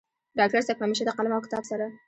ډاکټر صيب همېشه د قلم او کتاب سره